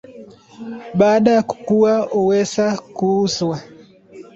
Baada ya kukua huweza kuuzwa.